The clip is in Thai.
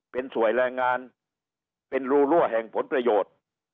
เป็นสวยแรงงานเป็นรูรั่วแห่งผลประโยชน์